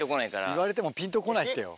言われてもピンとこないってよ。